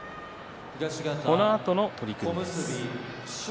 このあとの取組です。